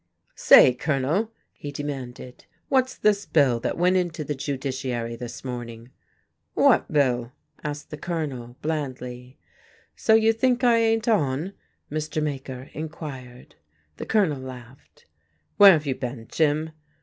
"Say, Colonel," he demanded, "what's this bill that went into the judiciary this morning?" "What bill?" asked the Colonel, blandly. "So you think I ain't on?" Mr. Maker inquired. The Colonel laughed. "Where have you been, Jim?"